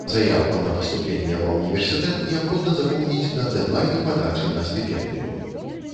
Заяўку на паступленне ва універсітэт неабходна запоўніць да дэдлайну падачы на стыпендыю.